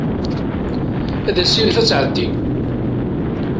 Ad as-yanef ad tɛeddi.